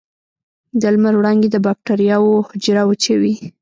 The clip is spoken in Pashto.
د لمر وړانګې د بکټریاوو حجره وچوي.